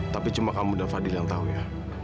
tapi cuma kamu udah fadil yang tahu ya